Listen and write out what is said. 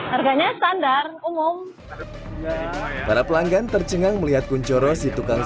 harganya standar umum para pelanggan tercengang melihat kunchoro si tukang